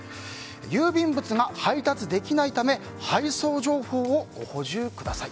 郵便物が配達できないため配送情報をご補充ください。